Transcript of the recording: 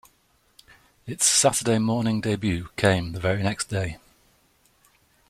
Its Saturday morning debut came the very next day.